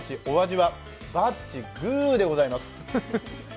お味はバッチグーでございます。